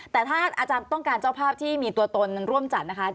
แต่ถ้าอาจารย์ต้องการเจ้าภาพที่มีตัวตนร่วมจัดนะคะ